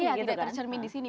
iya tidak tercermin di sini